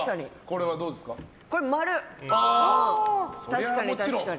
確かに、確かに。